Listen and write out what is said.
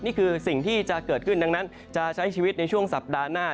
นี่คือสิ่งที่จะเกิดขึ้นดังนั้นจะใช้ชีวิตในช่วงสัปดาห์หน้า